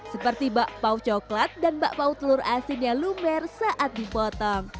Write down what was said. seperti bakpau coklat dan bakpau telur asin yang lumer saat dipotong